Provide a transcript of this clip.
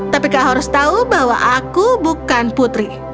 tapi kau harus tahu bahwa aku bukan putri